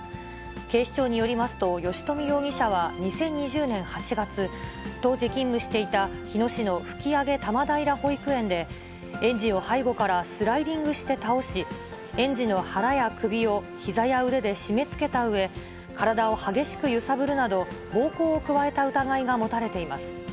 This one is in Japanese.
警視庁によりますと、吉冨容疑者は２０２０年８月、当時勤務していた日野市の吹上多摩平保育園で、園児を背後からスライディングして倒し、園児の腹や首をひざや腕で絞めつけたうえ、体を激しく揺さぶるなど、暴行を加えた疑いが持たれています。